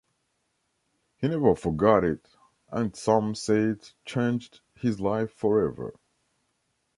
He never forgot it, and some say it changed his life forever.